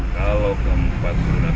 kalau keempat turunan